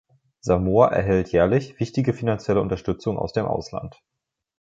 Samoa erhält jährlich wichtige finanzielle Unterstützung aus dem Ausland.